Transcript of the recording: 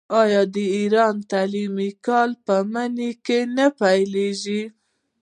آیا د ایران تعلیمي کال په مني کې نه پیلیږي؟